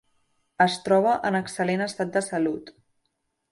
Es troba en excel·lent estat de salut.